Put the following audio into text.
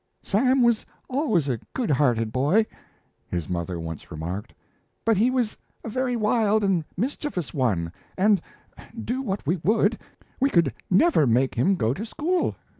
"Sam was always a good hearted boy," his mother once remarked, "but he was a very wild and mischievous one, and, do what we would, we could never make him go to school.